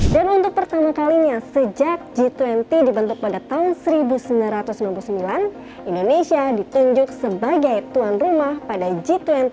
dan untuk pertama kalinya sejak g dua puluh dibentuk pada tahun seribu sembilan ratus sembilan puluh sembilan indonesia ditunjuk sebagai tuan rumah pada g dua puluh dua ribu dua puluh dua